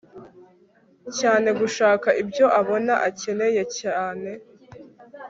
cyane gushaka ibyo abona akeneye cyane